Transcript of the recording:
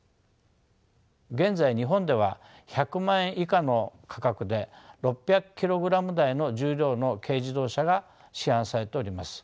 現在日本では１００万円以下の価格で６００キログラム台の重量の軽自動車が市販されております。